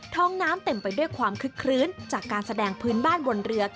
ท้องน้ำเต็มไปด้วยความคึกคลื้นจากการแสดงพื้นบ้านบนเรือ